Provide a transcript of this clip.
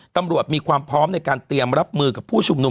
ตำรวจมีความพร้อมในการเตรียมรับมือกับผู้ชุมนุม